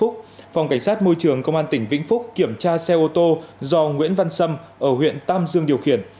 các môi trường công an tỉnh vĩnh phúc kiểm tra xe ô tô do nguyễn văn sâm ở huyện tam dương điều khiển